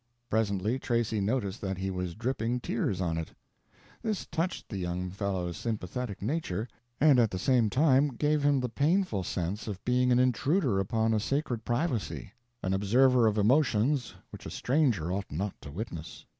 Presently Tracy noticed that he was dripping tears on it. This touched the young fellow's sympathetic nature, and at the same time gave him the painful sense of being an intruder upon a sacred privacy, an observer of emotions which a stranger ought not to witness.